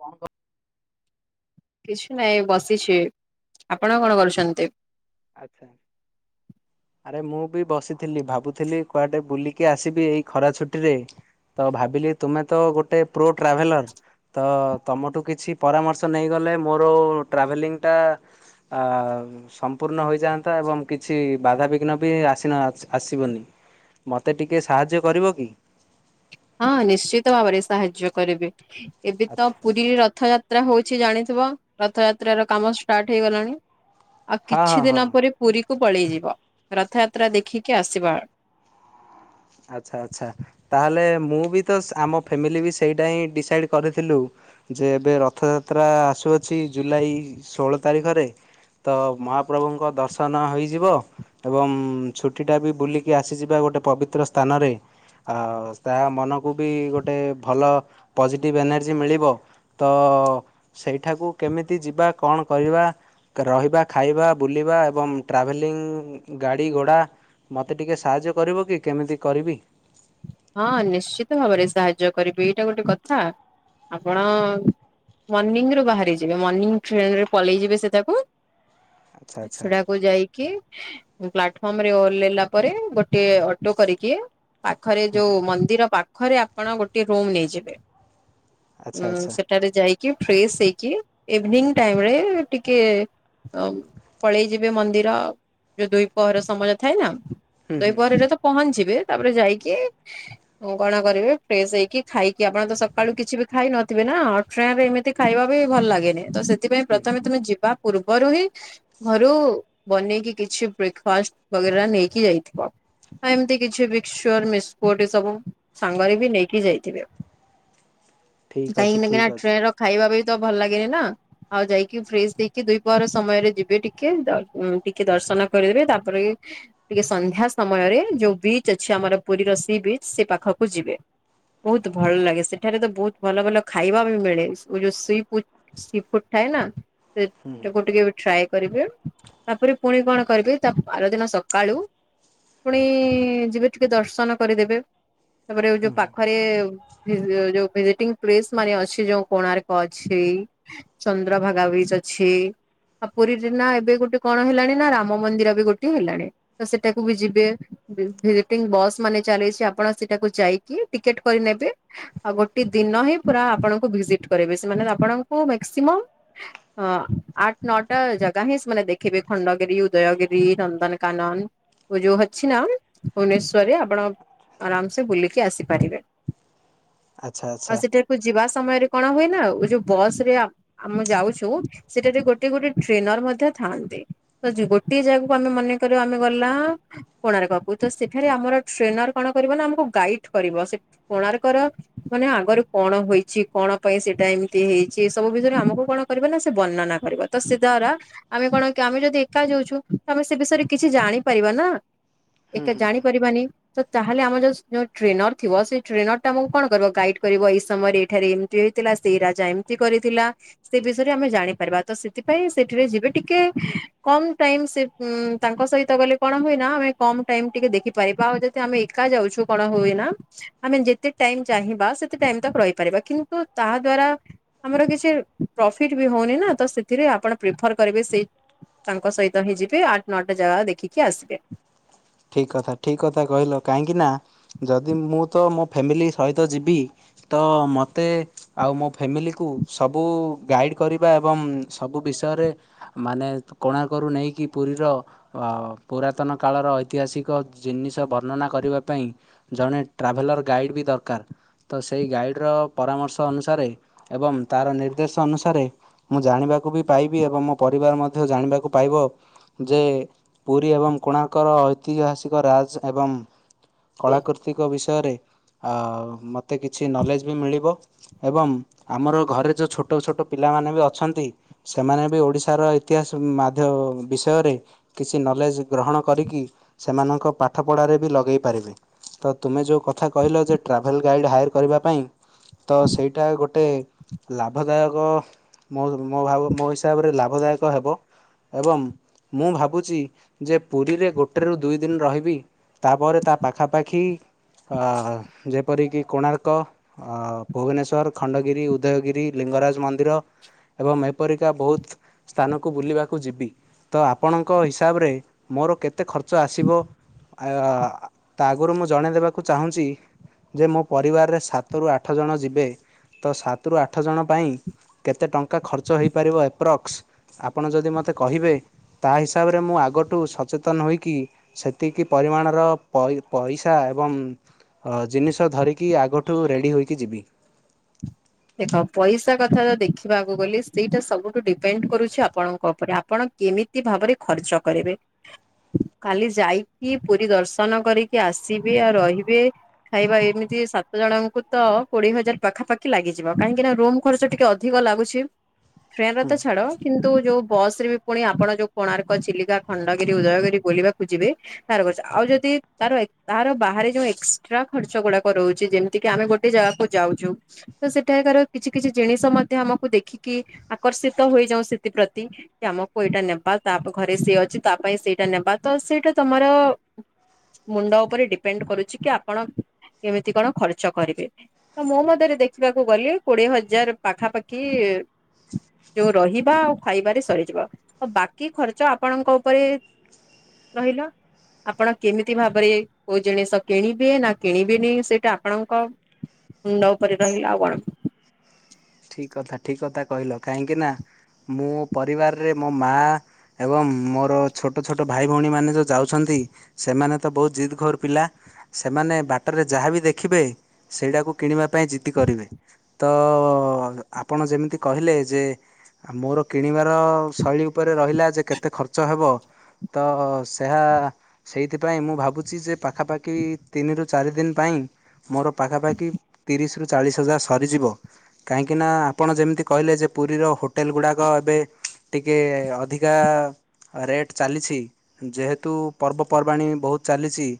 କଣ କର କିଛି ନାଇଁ ବସିଛି ଆପଣ କଣ କରୁଛନ୍ତି? ଆଜ୍ଞା। ଆରେ ମୁଁ ବି ବସିଥିଲି ଭାବୁଥିଲି କୁଆଡେ ବୁଲିକି ଆସିବି ଏଇ ଖରା ଛୁଟିରେ। ତ ଭାବିଲି ତୁମେ ତ ଗୋଟେ ପ୍ରୋ ଟ୍ରାଭେଲର। ତ ତମଠୁ କିଛି ପରାମର୍ଶ ନେଇଗଲେ ମୋର ଟ୍ରାଭେଲିଂଟା ଆ ସମ୍ପୂର୍ଣ୍ଣ ହୋଇଯାଆନ୍ତା ଏବଂ କିଛି ବାଧାବିଘ୍ନ ବି ଆସିନ ଅ ଆସିବନି। ମୋତେ ଟିକେ ସାହାଯ୍ୟ କରିବ କି? ହଁ ନିଶ୍ଚିତ ଭାବରେ ସାହାଯ୍ୟ କରିବି, ଏବେ ତ ଆଚ୍ଛା ପୁରୀରେ ରଥଯା ଯାତ୍ରା ହଉଛି ଜାଣିଥିବ। ରଥଯାତ୍ରାର କାମ ଷ୍ଟାର୍ଟ ହେଇଗଲାଣି ଆଉ ହଁ ହଁ କିଛି ଦିନ ହଁ। ପରେ ପୁରୀକୁ ପଳେଇଯିବ ରଥଯାତ୍ରା ଦେଖିକି ଆସିବା। ଆଚ୍ଛା ଆଚ୍ଛା। ତାହେଲେ ମୁଁ ବି ତ ଆମ ଫ୍ୟାମିଲି ବି ସେଇଟା ହିଁ ଡିସାଇଡ କରିଥିଲୁ। ଯେ ଏବେ ରଥଯାତ୍ରା ଆସୁଅଛି ଜୁଲାଇ ଷୋହଳ ତାରିଖରେ। ତ ମହାପ୍ରଭୁଙ୍କ ଦର୍ଶନ ହୋଇଯିବ। ଏବଂ ଛୁଟିଟା ବି ବୁଲିକି ଆସିଯିବା ଗୋଟେ ପବିତ୍ର ସ୍ଥାନରେ। ଆଉ ତାହା ମନକୁ ବି ଗୋଟେ ଭଲ ପଜିଟିଭ ଏନର୍ଜି ମିଳିବ। ତ ସେଇଠାକୁ କେମିତି ଯିବା, କଣ କରିବା? ରହିବା, ଖାଇବା, ବୁଲିବା ଏବଂ ଟ୍ରାଭେଲିଂ ଗାଡ଼ି ଘୋଡ଼ା ମତେ ଟିକେ ସାହାଯ୍ୟ କରିବ କି କେମିତି କରିବି? ହଁ ନିଶ୍ଚିତ ଭାବରେ ସାହାଯ୍ୟ କରିବି ଏଇଟା ଗୋଟେ କଥା। ଆପଣ ମର୍ଣିିଂରୁ ବାହାରି ଯିବେ, ମର୍ଣ୍ଣିିଂ ଟ୍ରେନରେ ପଳେଇଯିବେ ସେଟାକୁ। ଆଚ୍ଛା ଆଚ୍ଛା ସେଡାକୁ ଯାଇକି ଉ ପ୍ଲାଟଫର୍ମରେ ଓହ୍ଲେଇଲା ପରେ, ଗୋଟେ ଅଟୋ କରିକି ଖରେ ଯୋଉ ମନ୍ଦିର ପାଖରେ ଆପଣ ଗୋଟେ ରୁମ ନେଇଯିବେ। ଆଚ୍ଛା ଉଁ ଆଚ୍ଛା ସେଠାରେ ଯାଇକି କି ଫ୍ରେଶ ହେଇକି, ଇଭିନିଂ ଟାଇମରେ ଟିକେ ଅଁ ପଳେଇ ଯିବେ ମନ୍ଦିର, ଯୋଉ ଦୁଇ ପହର ସମୟରେ ଥାଏ ନା। ହୁଁ ହୁଁ ଦୁଇପହରରେ ତ ପହଞ୍ଚିବେ। ତାପରେ ଯାଇକି ହଁ କଣ କରିବେ, ଫ୍ରେଶ ହେଇକି ଖାଇକି ଆପଣ ତ ସକାଳୁ କିଛି ବି ଖାଇ ନଥିବେ ନା। ଟ୍ରେନରେ ଏମିତି ଖାଇବା ବି ଭଲ ଲାଗେନି, ତ ସେଥିପାଇଁ ପ୍ରଥମେ ତମେ ଯିବା ପୂର୍ବରୁ ହିଁ ଘରୁ ବନେଇକି କିଛି ବ୍ରେକଫାଷ୍ଟ ବଗେରା ନେଇକି ଯାଇଥିବ। ଆଁ ଏମିତି କିଛି ବିକସୁ ଶ୍ଚର, ବିସ୍କୁଟ ଏ ସବୁ ସାଙ୍ଗରେ ବି ନେଇକି ଯାଇଥିବେ। ଠିକ୍ ଅଛି କାହିଁକି ନାନା ଠିକ୍ ଅଛି ଟ୍ରେନ ର ଖାଇବା ବି ତ ଭଲ ଲାଗେନି ନା। ଆଉ ଯାଇକି ଫ୍ରେେଶ ଦେଇକି ଦୁଇ ପହର ସମୟରେ ଯିବେ ଟିକେ ଟିକେ ଦର୍ଶନ କରିଦେବେ ତାପରେ ଟିକେ ସନ୍ଧ୍ୟା ସମୟରେ ଯୋଉ ବିଚ୍ ଅଛି ଆମର ପୁରୀର ସେ ବିଚ ସେ ପାଖକୁ ଯିବେ ବହୁତ ଭଲ ଲାଗେ ସେଠାରେ ତ ବହୁତ ଭଲ ଭଲ ଖାଇବା ବି ମିଳେ ଯୋଉ ସେ ସି ଫୁଡ ଥାଏ ନା ସେ ହୁଁ ତାକୁ ଟିକେ ଟ୍ରାଏ କରିବେ ତାପରେ ପୁଣି କଣ କରିବି ତା ଆର ଦିନ ସକାଳୁ ପୁଣି ଯିବେ। ଦର୍ଶନ କରିଦେବେ ତାପରେ ଯୋଉ ପାଖରେ ଯୋଉ ଭିଜିଟିଂ ପ୍ଲେସ୍ ମାନେ ଅଛି ଯୋଉ କୋଣାର୍କ ଅଛି। ଚନ୍ଦ୍ର ଭାଗା ବିଚ୍ ଅଛି। ଆ ପୁରୀ ଜିନ୍ନା ଏବେ ଗୋଟେ କଣ ହେଲାଣି ନା ରାମ ମନ୍ଦିର ବି ଗୋଟିଏ ହେଲାଣି। ତ ସେଟାକୁ ବି ଯିବେ ଟିଙ୍ଗି ବସ୍ ମାନେ ଚାଲୁଚି ଆପଣ ସେଟାକୁ ଯାଇକି ଟିକେଟ କରିନେବେ ଆଉ ଗୋଟେ ଦିନ ହିଁ ପୁରା ଆପଣଙ୍କୁ ଭିଜିଟି କରିବେ ସେମାନେ ଆପଣଙ୍କୁ ମ୍ୟାକ୍ସିମମ୍। ହ ଆଠ୍ ନଅଟା ଜାଗା ହିଁ ସେମାନେ ଦେଖିବେ ଖଣ୍ଡଗିରି, ଉଦୟଗିରି, ନନ୍ଦନକାନନ୍ ଓ ଯୋଉ ହଛିନା? ଭୁବନେଶ୍ବରରେ ଆପଣ ଆରାମ୍ ସେ ବୁଲିକି ଆସିପାରିବେ ଆଚ୍ଛା ଆଉ ଆଚ୍ଛା। ସେଠି କୁ ଯିବା ସମୟରେ କଣ ହୁଏନା ଆଉ ଯୋଉ ବସ୍‌ରେ ଆ ଆମେ ଯାଉଛୁ ସେଠାରେ ଗୋଟେ ଗୋଟେ ଟ୍ରେନର ମଧ୍ୟ ଥାଆନ୍ତି। ଗୋଟେ ଜାଗାକୁ ଆମେ ମନେକ କର ଆମ ଗଲା କୋଣାର୍କ ତ ସେଠାରେ ଆମର ଟ୍ରେନର କଣ କରିବ ନା ଆମକୁ ଗାଇଡ କରିବ ସେ କୋଣାର୍କର। ମାନେ ଆଗରୁ କଣ ହୋଇଛି କଣ ପାଇଁ ସେଇଟା ଏମିତି ହେଇଛି ଏ ସବୁ ବିଷୟରେ ଆମକୁ କଣ କରିବ ନା ସେ ବର୍ଣ୍ଣନା କରିବ। ତ ସେ ଦାରା ଆମେ କଣ କି ଆମେ ଯଦି ଏକା ଯାଉଛୁ ତ ଆମେ ସେ ବିଷୟରେ କିଛି ଜାଣିପାରିବା ନା ଏତେ ଜାଣିପାରିବାନି ତ ତାହେଲେ ଆମର ଯୋଉ ଯୋଉ ଟ୍ରେନର ଥିବ ସେଇ ଟ୍ରେନର ଟା ଆମକୁ କଣ କରିବ ଗାଇଡ୍ କରିବ ଏଇ ସମୟରେ ଏଠାରେ ହେଇଥିଲା ସେଇ ରାଜା ଏମିତି କରିଥିଲା ସେ ବିଷୟରେ ଆମେ ଜାଣିପାରିବା ତ ସେଥିପାଇଁ ସେଠିରେ ଯିବେ ଟିକେ କମ୍ ଟାଇମ୍ ସେ ତାଙ୍କ ସହିତ ଗଲେ କଣ ହୁଏନା ଆମେ କମ ଟାଇମ ଟିକେ ଦେଖିପାରିବା ଆଉ ଯଦି ଆମେ ଏକା ଯାଉଛୁ କଣ ହୁଏ ନା ଆମେ ଯେତେ ଟାଇମ ଚାହିଁବା ସେତେ ଟାଇମ ତା ରହିପାରିବା କିନ୍ତୁ ତାହା ଦ୍ଵାରା ଆମର କିଛି ପ୍ରଫିଟ ବି ହଉନି ନା ତ ସେଥିରେ ଆପଣ ପ୍ରିଫର କରିବେ ସେଇ ତାଙ୍କ ସହିତ ହିଁ ଯିବେ ଆଠ ନଅଟା ଜାଗା ଦେଖିକି ଆସିବେ। ଠିକ୍ କଥା ଠିକ୍ କଥା କହିଲ କାହିଁକିନା ଯଦି ମୁଁ ତ ମୋ ଫ୍ୟାମିଲି ସହିତ ଯିବି ତ ମୋତେ ଆଉ ମୋ ଫ୍ୟାମିଲି କୁ ସବୁ ଗାଇଡ୍ କରିବା ଏବଂ ସବୁ ବିଷୟରେ ମାନେ କୋଣାର୍କରୁ ନେଇକି ପୁରୀର ଅ ପୁରାତନ କାଳର ଐତି ଐତିହାସିକ ଜିନିଷ ବର୍ଣ୍ଣନା କରିବା ପାଇଁ ଜଣେ ଟ୍ରାଭେଲର ଗାଇଡ଼୍ ବି ଦରକାର। ତ ସେଇ ଗାଇଡ଼ର ପରାମର୍ଶ ଅନୁସାରେ ଏବଂ ତର ନିର୍ଦ୍ଦେଶ ଅନୁସାରେ। ମୁଁ ଜାଣିବାକୁ ବି ପାଇବି ଏବଂ ମୋ ପରିବାର ମଧ୍ୟ ଜାଣିବାକୁ ପାଇବ। ଯେ ପୁରୀ ଏବଂ କୋଣାର୍କର ଐତିହାସିକ ରାଜ ଏବଂ କଳାକୃତିକ ବିଷୟରେ ଆଉ ମୋତେ କିଛି ନଲେଜ୍ ବି ମିଳିବ। ଏବଂ ଆମର ଘରେ ଯେଉଁ ଛୋଟ ଛୋଟ ପିଲାମାନେ ବି ଅଛନ୍ତି। ସେମାନେ ବି ଓଡିଶାର ଇତିହାସ ମାଧ୍ୟମ ବିଷୟରେ କିଛି ନଲେଜ୍‌ ଗ୍ରହଣ କରିକି ସେମାନଙ୍କ ପାଠପଢ଼ାରେ ବି ଲଗେଇ ପାରିବେ। ତ ତୁମେ ଯୋଉ କଥା କହିଲ ଯେ ଟ୍ରାଭେଲ୍ ଗାଇଡ଼୍ ହାୟର କରିବା ପାଇଁ। ତ ସେଇଟା ଗୋଟେ ଲାଭଦାୟକ ମୋ ମୋ ଭାବ ମୋ ହିସାବରେ ଲାଭଦାୟକ ହେବଶ ଏବଂ ମୁଁ ଭାବୁଚି ଯେ ପୁରୀରେ ଗୋ ଗୋଟେରୁ ଦୁଇ ଦିନ ରହିବି ତାପରେ ତା ପାଖାପାଖି ଅ ଯେପରିକି କୋଣାର୍କ। ଅ ଭୁବନେଶ୍ଵର ଖଣ୍ଡଗିରି, ଉଦୟଗିରି, ଲିଙ୍ଗରାଜ ମନ୍ଦିର ଏବଂ ଏ ଏପରିକା ବହୁତ ସ୍ଥାନକୁ ବୁଲିବାକୁ ଯିବି, ତ ଆପଣଙ୍କ ହିସାବରେ ମୋର କେତେ କେତେ ଖର୍ଚ୍ଚ ଆସିବ, ଆ ତା ଆଗରୁ ମୁଁ ଜଣେଇଦବାକୁ ଚାହୁଁଛି। ଯେ ମୋ ପରିବାରରେ ସାତରୁ ଆଠ ଜଣ ଯିବେ। ତ ସାତରୁ ଆଠ ଜଣ ପାଇଁ କେତେ ଟଙ୍କା ଖର୍ଚ୍ଚ ହେଇପାରିବ? ପ୍ରୋକ୍ସ ଆପଣ ଯଦି ମତେ କହିବେ ତା ହିସାବରେ ମୁଁ ଆଗଠୁ ସଚେ ତନ ହୋଇକି, ସେତିକି ପରିମାଣର ପ-ପଇସା ଏବଂ ହ ଜିନିଷ ଧରିକି ଆଗଠୁ ରେଡ଼ି ହୋଇକି ଯିବି। ଦେଖ ପଇସା କଥା ଦେଖିବାକୁ ଗଲେ ସେଇଟା ସବୁଠୁ ଡିପେଣ୍ଡ କରୁଛି ଆପଣଙ୍କ ଉପରେ ଆପଣ କେ ମିତି ଭାବରେ ଖର୍ଚ୍ଚ କରିବେ। ଖାଲି ଯାଇକି ପୁରୀ ଦର୍ଶନ କରିକି ଆସିବେ ଆଉ ରହିବେ ଖାଇବା ଏମିତି ସାତ ଜଣଙ୍କୁ ତ କୋଡିଏ ହଜାର ପାଖାପାଖି ଲାଗି ଯିବ। କାହିଁକି ନା ରୁମ ଖର୍ଚ୍ଚ ଟିକେ ଅଧିକ ଲାଗୁଛି। ଫ୍ରେଣ୍ଡ ତ ଛାଡ କିନ୍ତୁ ଯୋଉ ବସରେ ବି ପୁଣି ଆପଣ ଯୋଉ କୋଣାର୍କ, ଚିଲିକା, ଖଣ୍ଡଗିରି, ଉଦୟଗିରି ବୁଲିବାକୁ ଯିବେ ତାର ଖର୍ଚ୍ଚ। ଆଉ ଯଦି ତାର ତାର ବାହାରେ ଯୋଉ ଏକ୍ସଟ୍ରା ଖର୍ଚ୍ଚ ଗୁଡାକ ରହୁଛି ଯେମିତି କି ଆମେ ଗୋଟେ ଗୋଟେ ଜାଗାକୁ ଯାଉଛୁ। ତ ସେଠାକାର କିଛି କିଛି ଜିନିଷ ମଧ୍ୟ ଆମକୁ ଦେଖିକି ଆକର୍ଷିତ ହୋଇଯାଉ ସେଥିପ୍ରତି କି ଆମକୁ ଏଇଟା ନେବା, ତା ଘରେ ସିଏ ଅଛି ତା ପାଇଁ ସେଇଟା ନେବା ତ ସେଇଟା ତମର ମୁଣ୍ଡ ଉପରେ ଡିପେଣ୍ଡ କରୁଛି କି ଆପଣ କେମିତି କଣ ଖର୍ଚ୍ଚ କରିବେ। ତ ମୋ ମଧ୍ୟରେ ଦେଖିବାକୁ ଗଲେ କୋଡିଏ ହଜାର ପାଖାପାଖି ଯୋଉ ରହିବା ଆଉ ଖାଇବାରେ ସରିଯିବା। ଆଉ ବାକି ଖର୍ଚ୍ଚ ଆପଣଙ୍କ ଉପରେ ରହିଲା। ଆପଣ କେମିତି ଭାବରେ କୋଉ ଜିନିଷ କିଣିବେ ନା କିଣିବେନି ସେଇଟା ଆପଣଙ୍କ ମୁଣ୍ଡ ଉପରେ ରହିଲା, ଆଉ କଣ। ଠିକ କଥା ଠିକ କଥା କହିଲ। କାହିଁକି ନା ମୁଁ ପରିବାରରେ ମୋ ମା ଏବଂ ମୋର ଛୋଟ ଛୋଟ ଭାଇ ଭଉଣୀମାନେ ଯେଉଁ ଯାଉଛନ୍ତି। ସେମାନେ ତ ବହୁତ ଜିଦ୍ ଘୋର ପିଲା। ସେମାନେ ବାଟରେ ଯାହାବି ଦେଖିବେ, ସେଇଟାକୁ କିଣିବା ପାଇଁ ଜିଦି କରିବେ। ତ ଆପଣ ଯେମିତି କହିଲେ ଯେ ମୋର କିଣିବାର ଶୈଳୀ ଉପରେ ରହିଲା ଯେ କେତେ ଖର୍ଚ୍ଚ ହେବ। ତ ସେହା ସେଇଥିପାଇଁ ମୁଁ ଭାବୁଛି ଯେ ପାଖାପାଖି ତିନିରୁ ଚାରି ଦିନ ପାଇଁ ମୋର ପାଖାପାଖି ତିରିଶି ରୁ ଚାଳିଶ ହଜାର ସରିଯିବ। କାହିଁକିନା ଆପଣ ଯେମିତି କହିଲେ ଯେ, ପୁରୀର ହୋଟେଲ ଗୁଡ଼ାକ ଏବେ ଟିକେ ଅଧିକା ରେଟ୍ ଚାଲିଛି, ଯେହେତୁ ପର୍ବପର୍ବାଣି ବହୁତ ଚାଲିଛି।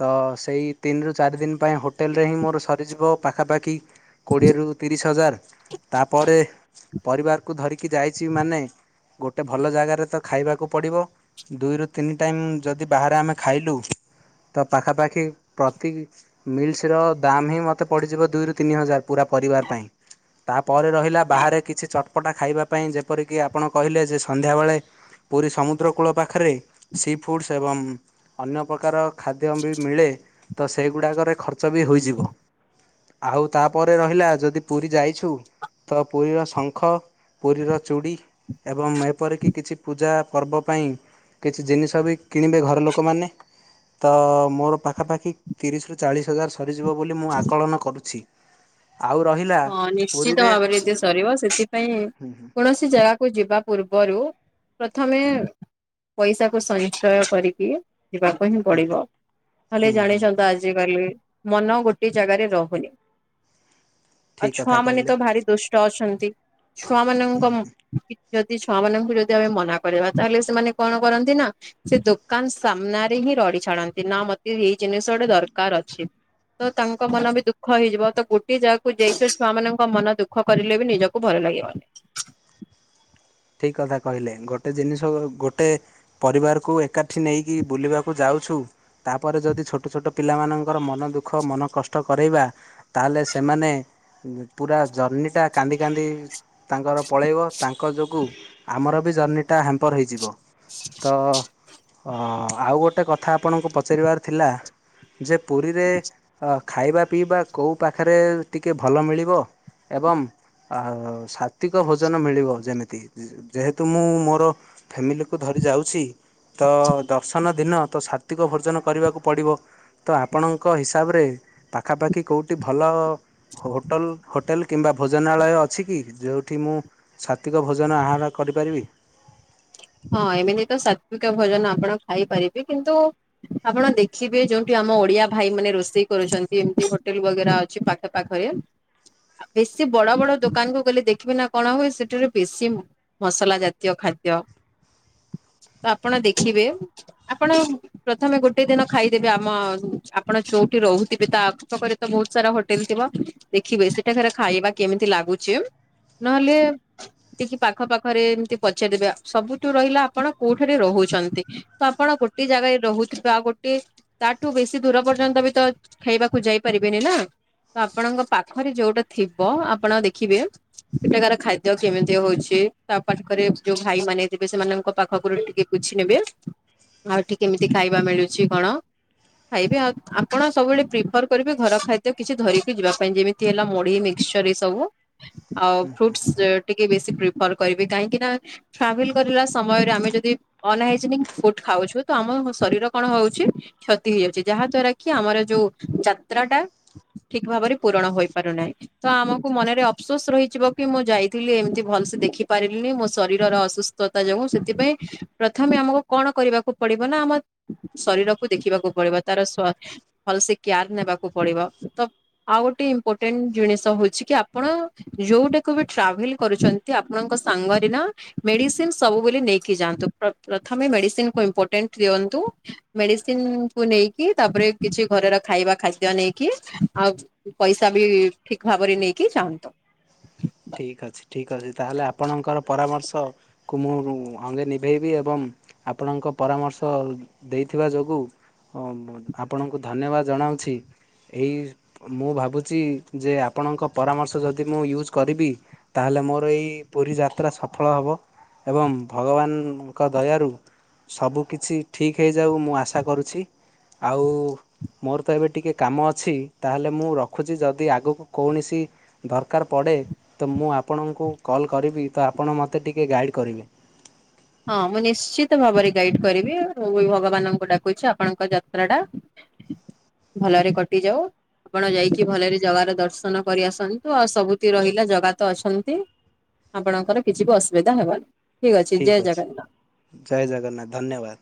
ତ ସେଇ ତିନିରୁ ଚାରି ଦିନ ପାଇଁ ହୋଟେଲରେ ହିଁ ମୋର ସରିଯିବ ପାଖାପାଖି କୋଡିଏରୁ ତିରିଶ ହଜାର। ତାପରେ ପରିବାରକୁ ଧରିକି ଯାଇଛି ମାନେ ଗୋଟେ ଭଲ ଜାଗା ରେ ତ ଖାଇବାକୁ ପଡ଼ିବ। ଦୁଇରୁ ତିନି ଟାଇମ୍ ଯଦି ବାହାରେ ଆମେ ଖାଇଲୁ ତ ପାଖାପାଖି ପ୍ରତି ମିଲ୍ସର ଦାମ୍ ହିଁ ମୋତେ ପଡ଼ିଯିବ ଦୁଇରୁ ତିନି ହଜାର। ପୁରା ପରିବାର ପାଇଁ। ତାପରେ ରହିଲା ବାହାରେ କିଛି ଚଟପଟା ଖାଇବା ପାଇଁ, ଯେପରିକି ଆପଣ କହିଲେ ଯେ ସନ୍ଧ୍ୟାବେଳେ ପୁରୀ ସମୁଦ୍ର କୂଳ ପାଖରେ ସି ଫୁଡ଼ସ୍ ଏବଂ ଅନ୍ୟ ପ୍ରକାର ଖାଦ୍ୟ ବି ମିଳେ ତ ସେଗୁଡ଼ାକରେ ଖର୍ଚ୍ଚ ବି ହୋଇଯିବ। ଆଉ ତାପରେ ରହିଲା ଯଦି ପୁରୀ ଯାଇଛୁ ତ ପୁରୀର ଶଙ୍ଖ, ପୁରୀର ଚୁଡ଼ି ଏବଂ ଏପରିକି କିଛି ପୂଜା ପର୍ବ ପାଇଁ କିଛି ଜିନିଷ ବି କିଣିବେ ଘର ଲୋକମାନେ। ତ ମୋର ପାଖାପାଖି ତିରିଶରୁ ଚାଳିଶ ହଜାର ସରିଯିବ ବୋଲି ମୁଁ ଆକଳନ କରୁଛି। ଆଉ ରହିଲା ହଁ, ନିଶ୍ଚିତ ପୁରୀରେ ଭାବରେ ଏତିକି ସରିବ। ସେଥିପାଇଁ କୌଣସି ଜାଗାକୁ କୁ ଯିବା ପୂର୍ବରୁ ପ୍ରଥମେ ପଇସା କୁ ସଞ୍ଚୟ କରିକି ଯିବାକୁ ହିଁ ପଡ଼ିବ। ନ ହେଲେ ହୁଁ ହୁଁ ଜାଣିଛ ତ ଆଜି କାଲି ମନ ଗୋଟେ ଜାଗାରେ ରହୁନି। ଆଉ ଠିକ୍ କଥା ଛୁଆମାନୋନେ କହିଲେ। ତ ଭାରି ଦୁଷ୍ଟ ଅଛନ୍ତି। ଛୁଆ ମାନଙ୍କ ଯଦି ଛୁଆ ମାନଙ୍କୁ ଯଦି ଆମେ ମନା କରିବା, ତାହେଲେ ସେମାନେ କଣ କରନ୍ତି ନା ସେ ଦୋକାନ ସାମ୍ନାରେ ହିଁ ରଡି ଛାଡନ୍ତି ନା ମତେ ଏଇ ଜିନିଷ ଗୋଟେ ଦରକାର ଅଛି। ତ ତାଙ୍କ ମନ ବି ଦୁଃଖ ହେଇଯିବ। ତ ଗୋଟେ ଜାଗା କୁ ଯାଇକି ଛୁଆ ମାନଙ୍କ ମନ ଦୁଃଖ କରିଲେ ବି ନିଜକୁ ଭଲ ଲାଗିବନି। ଠିକ କଥା କହିଲେ। ଗୋଟେ ଜିନିଷ ଗୋଟେ ପରିବାରକୁ ଏକାଠି ନେଇକି ବୁଲିବାକୁ ଯାଉଛୁ ତାପରେ ଯଦି ଛୋଟ ଛୋଟ ପିଲାମାନଙ୍କର ମନ ଦୁଃଖ ଓ ମନ କଷ୍ଟ କରେଇବା ତାହେଲେ ସେମାନେ ପୁରା ଜର୍ନି ଟା କାନ୍ଦି କାନ୍ଦି ତାଙ୍କର ପଳେଇବ। ତାଙ୍କ ଯୋଗୁଁ ଆମର ବି ଜର୍ଣ୍ଣିିଟା ହ୍ୟାମ୍ପର ହେଇଯିବ। ତ ଆଉ ଗୋଟେ କଥା ଆପଣଙ୍କୁ ପଚାରିବାର ଥିଲା ଯେ ପୁରୀରେ ଖାଇବା ପିଇବା କୋଉ ପାଖରେ ଟିକଏ ଭଲ ମିଳିବ ଏବଂ ସାତ୍ତ୍ଵିକ ଭୋଜନ ମିଳିବ ଯେମିତି? ଯେହେତୁ ମୁଁ ମୋର ଫ୍ୟାମିଲିକୁୁ ଧରି ଯାଉଛି ତ ଦର୍ଶନ ଦିନ ତ ସାତ୍ତ୍ୱିକ ଭୋଜନ କରିବାକୁ ପଡ଼ିବ। ତ ଆପଣଙ୍କ ହିସାବରେ ପାଖାପାଖି କୋଉଠି ଭଲ ହୋଟେଲ ହୋଟେଲ କିମ୍ବା ଭୋଜନାଳୟ ଅଛି କି? ଯେଉଁଠି ମୁଁ ତ୍ୱିକ ଭୋଜନ ଆହାର କରିପାରିବି? ହଁ ଏମିତି ତ ସାତ୍ଵିକ ଭୋଜନ ଆପଣ ଖାଇପାରିବେ କିନ୍ତୁ ଆପଣ ଦେଖିବେ ଯୋଉଠି ଆମ ଓଡିଆ ଭାଇ ମାନେ ରୋଷେଇ କରୁଛନ୍ତି ଏମିତି ହୋଟେଲ ବଗେରା ଅଛି ପାଖ ପାଖରେ। ବେଶୀ ବଡ ବଡ ଦୋକାନ କୁ ଗଲେ ଦେଖିବି ନା କଣ ହୁଏ ସେଠାରୁ ବେଶୀ ମୁ ମସଲା ଜାତୀୟ ଖାଦ୍ୟ। ତ ଆପଣ ଦେଖିବେ ଆପଣ ପ୍ରଥମେ ଗୋଟେ ଦିନ ଖାଇଦେବେ ଆମ ଆପଣ ଯୋଉଠି ରହୁଥିବେ ତା ଆଖି ପାଖରେ ବହୁତ ସାରା ହୋଟେଲ ଥିବ ଦେଖିବେ ସେଠାକାର ଖାଇବା କେମିତି ଲାଗୁଛି। ନହେଲେ ଟିକେ ପାଖ ପାାଖରେ ଏମତି ପଚାରଦେବେ ସବୁ ରହିଲା ଆପଣ କୋଉଠାରେ ରହୁଛନ୍ତି ତ ଆପଣ ଗୋଟେ ଜାଗାରେ ରହୁଥିବେ ଆଉ ଗୋଟେ ତାଠୁ ବେଶୀ ଦୂର ପର୍ଯ୍ୟନ୍ତ ବି ତ ଖାଇବାକୁ ଯାଇ ପାରିବେନି ନା? ତ ଆପଣଙ୍କ ପାଖରେ ଯୋଉଟା ଥିବ ଆପଣ ଦେଖିବେ। ସେ ପ୍ରାକାର ଖାଦ୍ୟ କେମିତି ହଉଛି ତା ପାଖରେ ଯୋଉ ଭାଇ ମାନେ ତେବେ ସେମାନଙ୍କ ପାଖକ ରୁ ଟିକେ ବୁଝି ନେବେ ଆଉ ଏଇଠି କେମିତି ଖାଇବା ମିଳୁଛି କଣ। ଖାଇବେ ଆଉ ଆପଣ ସବୁବେଳେ ପ୍ରିଫର କରିବେ ଘର ଖାଦ୍ୟ କିଛି ଧରିକି ଯିବା ପାଇଁ ଯେମିତି ଯେମିତି ହେଲା ମୁଢି ମିକ୍ସଚର ଏ ସବୁ। ଆଉ ଫ୍ରୁଟ୍ସ ଟିକେ ବେଶୀ ପ୍ରିଫର କରିବେ କାହିଁକି ନା ଟ୍ରାଭେଲ ସମୟରେ ଆମେ ଯଦି ଅନହେଜେନିକ ଫୁଡ୍ ଖାଉଛୁ ତ ଆମ ଶରୀର କଣ ହଉଛି କ୍ଷତି ହେଇଯାଉଛି ଯାହା ଦ୍ଵାରା କି ଆମର ଯୋଉ ଯାତ୍ରା ଟା ଠିକ ଭାବରେ ପୂରଣ ହୋଇ ପାରୁନାହିଁ। ତ ଆମକୁ ମନରେ ଅଫସୋସ ରହିଯିବ କି ମୁଁ ଯାଇଥିଲି ଏମିତି ଭଲସେ ଦେଖି ପାରିଲିନି ମୋ ଶରୀରର ଅସୁସ୍ଥ ତତା ଯୋଗୁ ସେଥିପାଇଁ ପ୍ରଥମେ ଆମକୁ କଣ କରିବାକୁ ପଡିବ ନା ଆମ ଶରୀରକୁ ଦେଖିବାକୁ ପଡିବ ତାର ଭଲସେ କେୟାର ନେବାକୁ ପଡିବ ତ ଆଉ ଗୋଟେ ଇମ୍ପୋର୍ଟାଣ୍ଟ ଜିନିଷ ହଉଛି କି ଆପଣ ଯୋଉଟାକୁ ବି ଟ୍ରାଭେଲ କରୁଛନ୍ତି ଆପଣଙ୍କ ସାଙ୍ଗରେ ନା ମେଡି ସିନ ସବୁବେ ନେଇକି ଯାଆନ୍ତୁ ପ୍ରଥମେ ମେଡିସିନ କୁ ଇମ୍ପୋର୍ଟାଣ୍ଟ ଦିଅନ୍ତୁ। ମେଡିସିନ କୁ ନେଇକି ତାପରେ କିଛି ଘର ର ଖାଇବା ଖାଦ୍ୟ ନେଇକି ଆଉ ପଇସା ବି ଠିକ ଭାବରେ ନେଇକି ଯାଆନ୍ତୁ। ଠିକ୍ ଅଛି ଠିକ୍ ଅଛି ତାହେଲେ ଆପଣଙ୍କର ପରାମର୍ଶ କୁ ମୁଁ ଆଙ୍ଗେ ନିଭେଇବି ଏବଂ ଆପଣଙ୍କ ପରାମର୍ଶ ଦେଇଥିବା ଯୋଗୁ। ହଁ ଆପଣଙ୍କୁ ଧନ୍ୟବାଦ ଜଣାଉଛି। ଏହିଇ ମୁଁ ଭାବୁଛି ଯେ ଆପଣଙ୍କ ପରାମର୍ଶ ଯଦି ମୁଁ ୟୁଜ୍ କରିବି ତାହେଲେ ମୋର ଏଇ ପୁରୀ ଯାତ୍ରା ସଫଳ ହବ। ଏବଂ ଭଗବାନ ଙ୍କ ଦୟାରୁ ସବୁ କିିଛି ଠିକ୍ ହେଇଯାଉ ମୁଁ ଆଶା କରୁଛି ଆଉ ମୋର ତ ଏବେ ଟିକେ କାମ ଅଛି ତାହେଲେ ମୁଁ ରଖୁଛି ଯଦି ଆଗକୁ କୌଣସି ଦରକାର ପଡ଼େ ତ ମୁଁ ଆପଣଙ୍କୁ କଲ୍ କରିବି ତ ଆପଣ ମୋତେ ଟିକେ ଗାଇଡ଼୍ କରିବେ। ହଁ ମୁଁ ନିଶ୍ଚିତ ଭାବରେ ଗାଇଡ କରିବି ମୁଁ ଭଗବାନ ଙ୍କୁ ଡାକୁଛି ଆପଣଙ୍କ ଯାତ୍ରା ଟା ହ ଭଲରେ କଟିଯାଉ। ଆପଣ ଯାଇକି ଭଲରେ ଜଗାର ଦର୍ଶନ କରି ଆସନ୍ତୁ ଆଉ ସବୁତି ରହିଲା ଜାଗା ତ ଅଛନ୍ତି। ଆପଣଙ୍କର କିଛି ବି ଅସୁବିଧା ହେବନି। ଠିକ ଅଛି ଠିକ୍ ଜୟ ଅଛି ଜଗନ୍ନାଥ। ଜୟ ଜଗନ୍ନାଥ ଧନ୍ୟବାଦ।